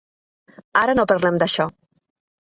Ara no parlem d’això.